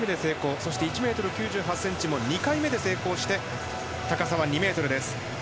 そして、１ｍ９８ｃｍも２回目で成功して、２ｍです。